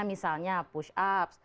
misalnya push up